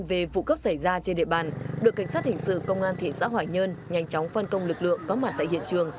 về vụ cướp xảy ra trên địa bàn đội cảnh sát hình sự công an thị xã hoài nhơn nhanh chóng phân công lực lượng có mặt tại hiện trường